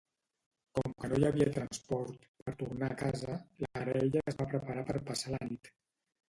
Com que no hi havia transport per tornar a casa, la parella es va preparar per passar la nit.